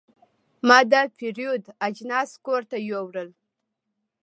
ما د پیرود اجناس کور ته یوړل.